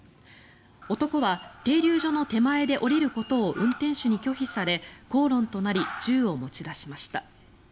男は停留所の手前で降りることを運転手に拒否され口論となり銃を持ち出しました。